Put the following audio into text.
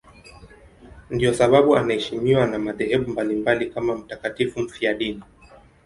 Ndiyo sababu anaheshimiwa na madhehebu mbalimbali kama mtakatifu mfiadini.